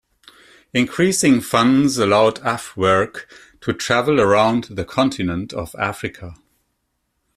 Increasing funds allowed Afewerk to travel around the continent of Africa.